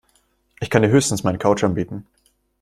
Ich kann dir höchstens meine Couch anbieten.